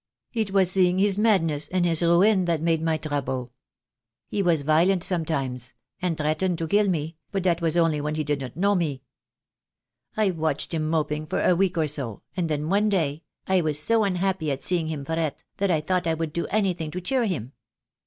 It was seeing his madness and his ruin that made my trouble. He was violent sometimes, and threatened to kill me, but that was only when he didn't know me. I watched him moping for a week or so, and then one day, I was so unhappy at seeing him fret, that I thought I would do anything to cheer him.